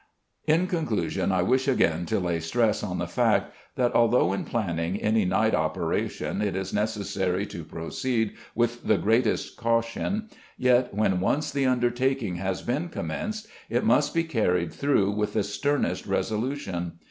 _ In conclusion, I wish again to lay stress on the fact that although in planning any night operation it is necessary to proceed with the greatest caution, yet, when once the undertaking has been commenced, it must be carried through with the sternest resolution.